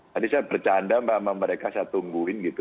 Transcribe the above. tadi saya bercanda sama mereka saya tungguin gitu